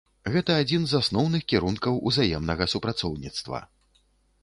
Гэта адзін з асноўных кірункаў узаемнага супрацоўніцтва.